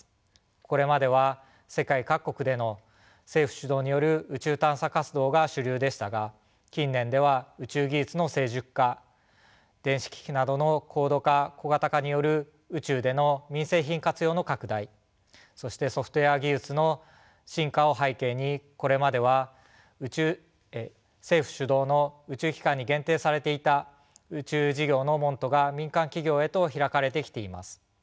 これまでは世界各国での政府主導による宇宙探査活動が主流でしたが近年では宇宙技術の成熟化電子機器などの高度化・小型化による宇宙での民生品活用の拡大そしてソフトウエア技術の進化を背景にこれまでは政府主導の宇宙機関に限定されていた宇宙事業の門戸が民間企業へと開かれてきています。